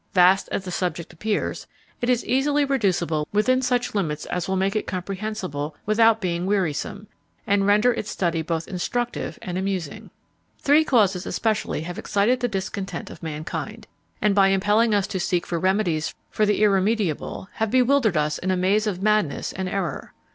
Vast as the subject appears, it is easily reducible within such limits as will make it comprehensive without being wearisome, and render its study both instructive and amusing. Three causes especially have excited the discontent of mankind; and, by impelling us to seek for remedies for the irremediable, have bewildered us in a maze of madness and error.